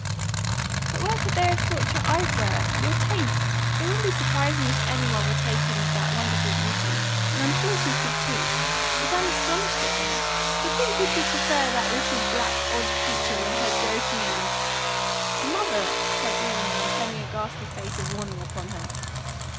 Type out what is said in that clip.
"But where could they have thought your eyes were your taste? It wouldn't be surprising if any one were taken with that wonderful beauty; and I'm sure she's good too. But I'm astonished at them! To think you could prefer that little, black, odd creature, with her joking and " "MOTHER!" cried the young man, turning a ghastly face of warning upon her.